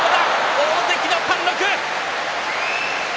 大関の貫禄。